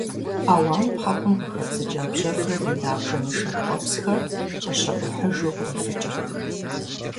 Ӏэуам пхъэкъум къыхэбзыкӀа бжьэфым къина бжэнышэ ткӀуэпсхэр, щӀэщэӀухьыжу, кърифыкӀырт.